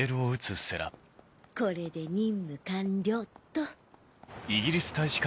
これで任務完了っと